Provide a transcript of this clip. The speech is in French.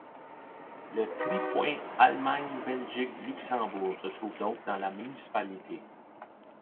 Le tripoint Allemagne-Belgique-Luxembourg se trouve donc dans la municipalité.